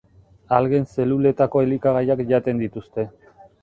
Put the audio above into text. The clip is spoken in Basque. Algen zeluletako elikagaiak jaten dituzte.